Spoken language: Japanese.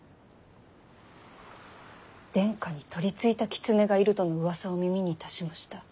殿下に取りついた狐がいるとのうわさを耳にいたしました。